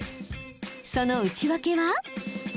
その内訳は？